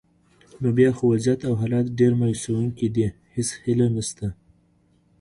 نو بیا خو وضعیت او حالات ډېر مایوسونکي دي، هیڅ هیله نشته.